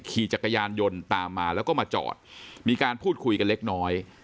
ขี่จักรยานยนต์ตามมาแล้วก็มาจอดมีการพูดคุยกันเล็กน้อย